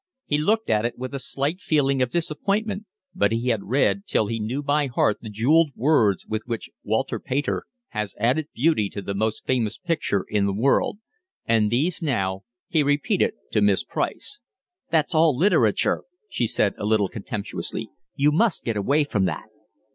He looked at it with a slight feeling of disappointment, but he had read till he knew by heart the jewelled words with which Walter Pater has added beauty to the most famous picture in the world; and these now he repeated to Miss Price. "That's all literature," she said, a little contemptuously. "You must get away from that."